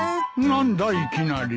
何だいきなり。